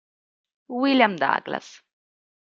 William Douglas